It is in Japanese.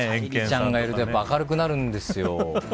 沙莉ちゃんがいると明るくなるんですよ。